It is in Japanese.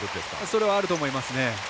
それはあると思います。